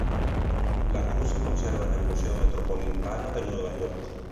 La cruz se conserva en el Museo Metropolitano de Nueva York.